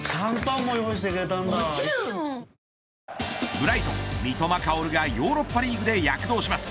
ブライトン、三笘薫がヨーロッパリーグで躍動します。